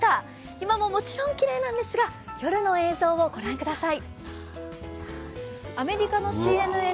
今ももちろんきれいなんですが夜の映像を御覧ください。